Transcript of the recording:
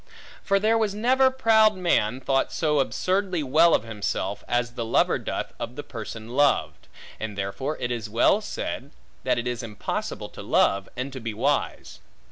For there was never proud man thought so absurdly well of himself, as the lover doth of the person loved; and therefore it was well said, That it is impossible to love, and to be wise.